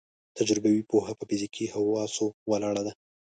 تجربوي پوهه په فزیکي حواسو ولاړه ده.